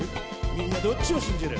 「みんなどっちを信じる？